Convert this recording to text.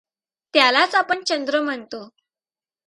त्यालाच आपण चंद्र म्हणतो.